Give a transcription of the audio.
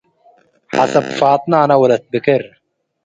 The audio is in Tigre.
ሐሰብ ፋጥነ አነ ወለት ብክር፣